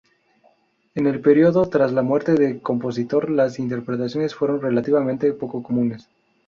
En el período tras la muerte del compositor, las interpretaciones fueron relativamente poco comunes.